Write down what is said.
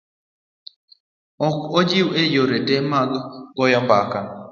Ok ojiw e yore te mag goyo mbaka.